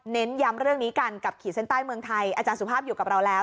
ย้ำเรื่องนี้กันกับขีดเส้นใต้เมืองไทยอาจารย์สุภาพอยู่กับเราแล้ว